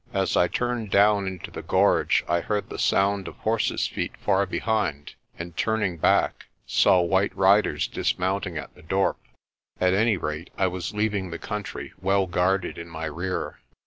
As I turned down into the gorge I heard the sound of horses' feet far behind and, turning back, saw white riders dismounting at the dorp. At any rate I was leaving the country well guarded in my rear.